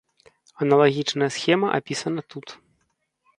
Аналагічная схема апісана тут.